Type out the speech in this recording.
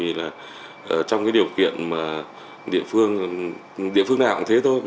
thì là trong cái điều kiện mà địa phương địa phương nào cũng thế thôi